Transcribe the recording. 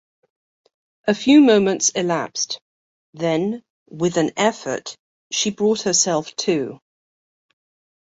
A few moments elapsed; then, with an effort, she brought herself to.